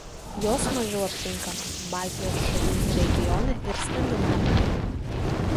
Jos mažiau aptinkama Baltijos šalių regione ir Skandinavijoje.